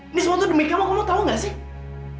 ini semua itu demi kamu kamu tau gak sih